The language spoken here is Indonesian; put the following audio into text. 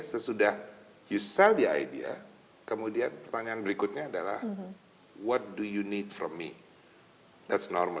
sesudah anda menjual ide kemudian pertanyaan berikutnya adalah apa yang anda butuhkan dari saya